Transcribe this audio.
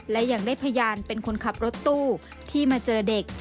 และยังได้พยานเป็นคนขับรถตู้ที่มาเจอเด็ก